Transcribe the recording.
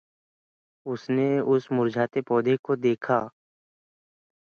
He then completed helicopter flight training at Fort Rucker, Alabama.